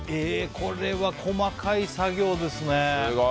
これは細かい作業ですね。